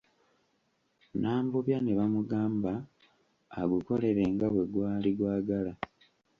Nambobya ne bamugamba agukolere nga bwe gwali gwagala.